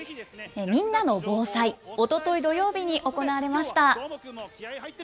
みんなのボーサイおととい土曜日に行われました。